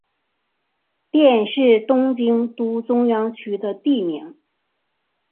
佃是东京都中央区的地名。